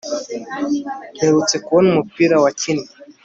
mperutse kubona umupira wakinnye